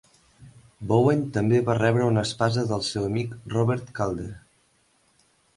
Bowen també va rebre una espasa del seu amic Robert Calder.